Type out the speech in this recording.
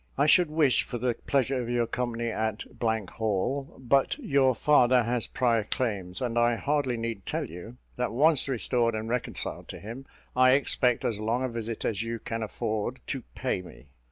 I should wish for the pleasure of your company at Hall; but your father has prior claims; and I hardly need tell you, that once restored and reconciled to him, I expect as long a visit as you can afford to pay me.